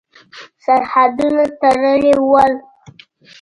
سرحدونه تړلي ول.